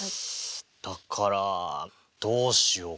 だからどうしようかな。